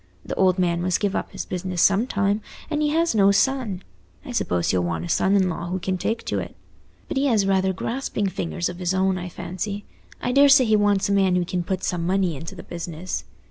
The old man must give up his business sometime, and he has no son; I suppose he'll want a son in law who can take to it. But he has rather grasping fingers of his own, I fancy. I daresay he wants a man who can put some money into the business.